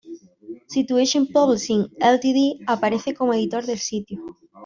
Situation Publishing Ltd, aparece como editor del sitio.